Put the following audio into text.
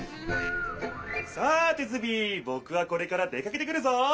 さてズビ！ぼくはこれから出かけてくるぞ！